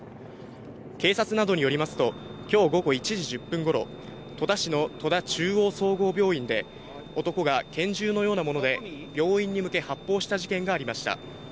警察などによりますと、きょう午後１時１０分ごろ、戸田市の戸田中央総合病院で、男が拳銃のようなもので病院に向け発砲した事件がありました。